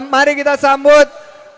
mari kita sambut